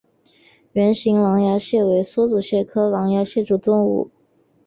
圆形狼牙蟹为梭子蟹科狼牙蟹属的动物。